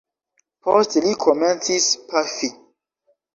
Poste li komencis pafi.